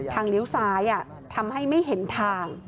เลี้ยวซ้ายทำให้ไม่เห็นทาง